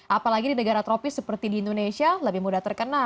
apalagi di negara tropis seperti di indonesia lebih mudah terkena